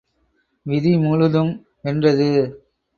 விதி முழுதும் வென்றது.